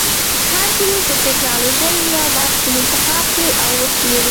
هر ګروپ دې د ټېکنالوجۍ یو محصول انتخاب کړي او وڅېړي.